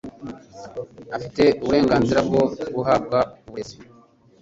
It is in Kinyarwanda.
afite uburenganzira bwo guhabwa uburezi